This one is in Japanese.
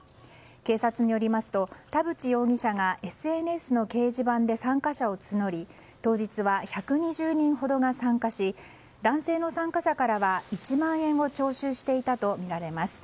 警察によりますと田渕容疑者がＳＮＳの掲示板で参加者を募り当日は１２０人ほどが参加し男性の参加者からは１万円を徴収していたとみられます。